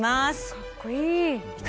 かっこいい！